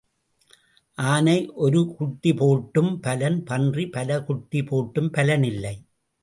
ஆனை ஒரு குட்டி போட்டும் பலன் பன்றி பல குட்டி போட்டும் பலன் இல்லை.